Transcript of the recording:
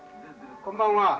こんばんは。